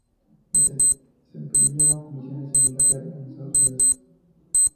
Desempeño comisiones en Inglaterra, Estados Unidos.